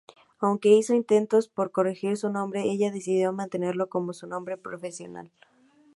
Aunque hizo intentos por corregir su nombre, ella decidió mantenerlo como su nombre profesional.